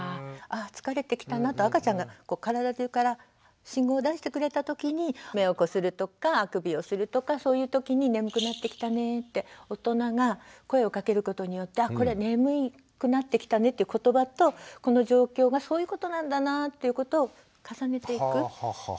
ああ疲れてきたなと赤ちゃんが体じゅうから信号を出してくれた時に目をこするとかあくびをするとかそういう時に「眠くなってきたね」って大人が声をかけることによってあこれ「眠くなってきたね」って言葉とこの状況がそういうことなんだなということを重ねていく。